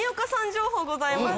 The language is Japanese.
情報ございます。